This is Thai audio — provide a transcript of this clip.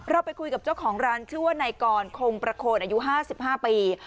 ไปคุยกับเจ้าของร้านชื่อว่านายกรคงประโคนอายุ๕๕ปี